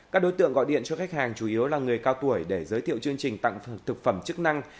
các đối tượng gọi điện cho khách hàng chủ yếu là người cao tuổi để giới thiệu chương trình tặng thực phẩm chức năng